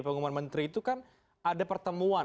pengumuman menteri itu kan ada pertemuan